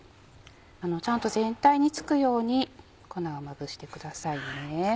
ちゃんと全体に付くように粉をまぶしてくださいね。